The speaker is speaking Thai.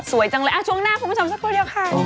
สวยจังเลยช่วงหน้าผมมาเติมแล้วนะครับ